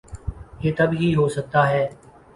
یہ تب ہی ہو سکتا ہے۔